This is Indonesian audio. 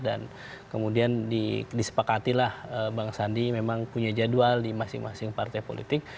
dan kemudian disepakati lah bang sandi memang punya jadwal di masing masing partai politik